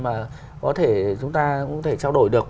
mà có thể chúng ta cũng có thể trao đổi được